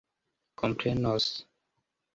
komprenos